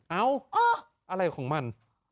เอ้าอะไรของมัน